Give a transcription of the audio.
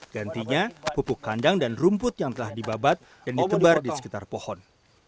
gantinya pupuk kandang dan rumput yang telah dibabat dan ditebar di sekitar pohon